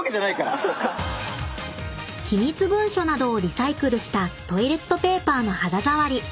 ［機密文書などをリサイクルしたトイレットペーパーの肌触り］